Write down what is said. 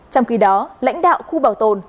trong khi đó lãnh đạo khu bảo tồn